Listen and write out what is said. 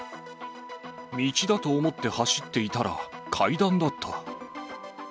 道だと思って走っていたら、階段だった。